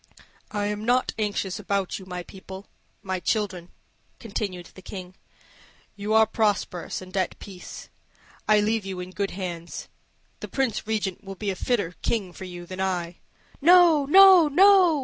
"I am not anxious about you, my people my children," continued the King. "You are prosperous and at peace. I leave you in good hands. The Prince Regent will be a fitter king for you than I." "No, no, no!"